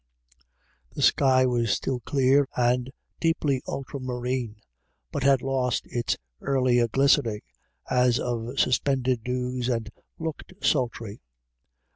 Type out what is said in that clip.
The sky was still clear and deeply ultramarine, but had lost its earlier glistening, as of suspended dews, and looked sultry.